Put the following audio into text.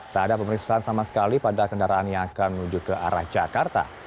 tak ada pemeriksaan sama sekali pada kendaraan yang akan menuju ke arah jakarta